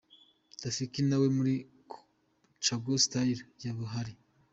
Rafiki na we muri Coga Style yari ahari.